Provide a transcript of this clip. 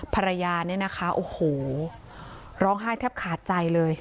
ภรรยาเนี่ยนะคะโอ้โหร้องไห้แทบขาดใจเลย